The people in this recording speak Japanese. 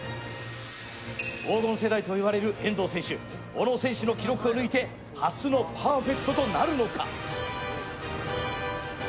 黄金世代といわれる遠藤選手、小野選手の記録を抜いて初のパーフェクトとなるのか。